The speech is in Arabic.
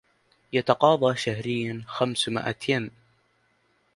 يتقاضى شهريا خمس مائة ين